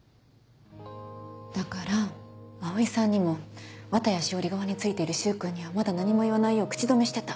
だから葵さんにも綿谷詩織側についている柊君にはまだ何も言わないよう口止めしてた。